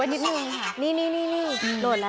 คอนี้จะมาให้ทนนั้นสามประจำ